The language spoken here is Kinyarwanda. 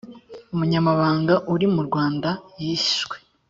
umunyamahanga uri mu rwanda yishwe